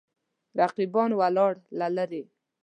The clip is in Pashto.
رقیبان ولاړ له لرې.